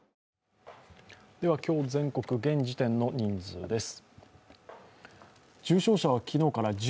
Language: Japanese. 今日、全国、現時点の人数です。